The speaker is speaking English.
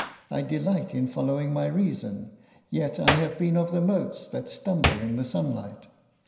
I delight in following my reason, yet I have been of the motes that stumble in the sunlight.